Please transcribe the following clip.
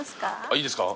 いいですか？